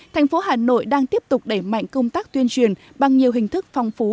thành phố hà nội đang tiếp tục đẩy mạnh công tác tuyên truyền bằng nhiều hình thức phong phú